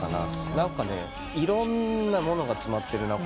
何か「いろんなものが詰まってるな